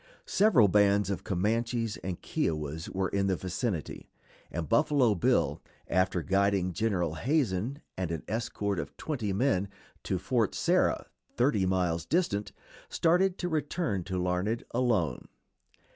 Several bands of Comanches and Kiowas were in the vicinity, and Buffalo Bill, after guiding General Hazen and an escort of twenty men to Fort Sarah, thirty miles distant, started to return to Larned alone.